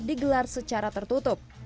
digelar secara tertutup